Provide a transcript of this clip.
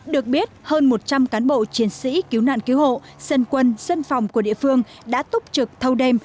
được biết hơn một trăm linh cán bộ chiến sĩ cứu nạn cứu hộ dân quân dân phòng của địa phương đã túc trực thâu đêm